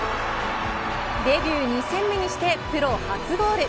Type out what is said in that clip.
デビュー２戦目にしてプロ初ゴール。